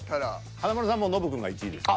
華丸さんノブくんが１位ですよ。